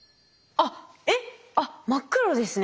あっ真っ黒ですね。